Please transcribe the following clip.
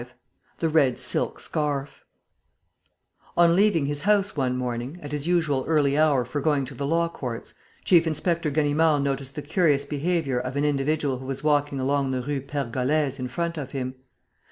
V THE RED SILK SCARF On leaving his house one morning, at his usual early hour for going to the Law Courts, Chief inspector Ganimard noticed the curious behaviour of an individual who was walking along the Rue Pergolèse in front of him.